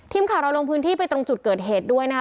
ทีมข่าวเราลงพื้นที่ไปตรงจุดเกิดเหตุด้วยนะคะ